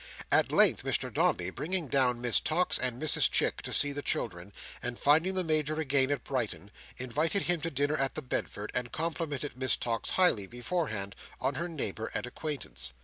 At length Mr Dombey, bringing down Miss Tox and Mrs Chick to see the children, and finding the Major again at Brighton, invited him to dinner at the Bedford, and complimented Miss Tox highly, beforehand, on her neighbour and acquaintance.